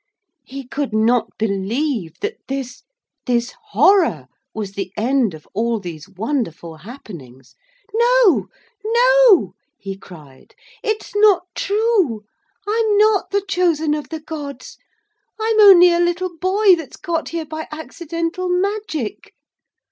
He could not believe that this, this horror, was the end of all these wonderful happenings. 'No no,' he cried, 'it's not true. I'm not the Chosen of the Gods! I'm only a little boy that's got here by accidental magic!'